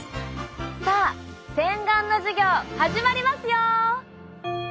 さあ洗顔の授業始まりますよ。